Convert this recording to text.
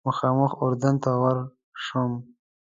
مخامخ اردن ته ورشم.